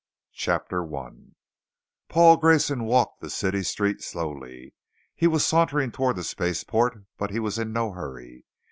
] CHAPTER 1 Paul Grayson walked the city street slowly. He was sauntering towards the spaceport, but he was in no hurry.